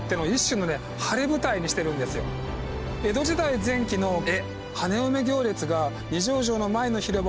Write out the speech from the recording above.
江戸時代前期の絵。